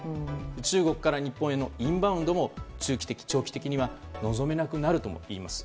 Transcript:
中国から日本へのインバウンドも中期的、長期的には望めなくなるといいます。